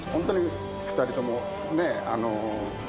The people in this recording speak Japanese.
２人ともね。